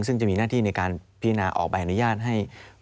ซึ่งจะมีหน้าที่ในการพิจารณาออกใบอนุญาตให้